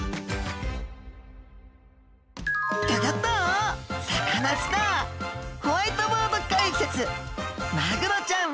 「ギョギョッとサカナ★スター」ホワイトボード解説！